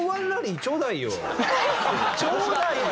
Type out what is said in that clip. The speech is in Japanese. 「ちょうだいよ」？